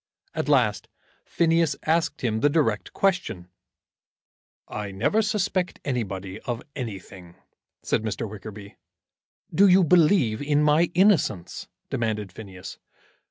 At last Phineas asked him the direct question. "I never suspect anybody of anything," said Mr. Wickerby. "Do you believe in my innocence?" demanded Phineas.